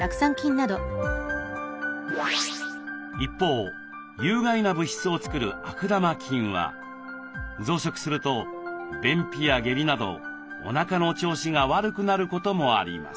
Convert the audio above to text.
一方有害な物質を作る悪玉菌は増殖すると便秘や下痢などおなかの調子が悪くなることもあります。